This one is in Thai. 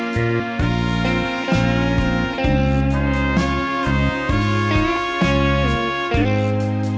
นะครับทุกคุณ